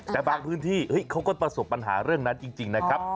แต่บางพื้นที่เขาก็ประสบปัญหาเรื่องนั้นจริงนะครับ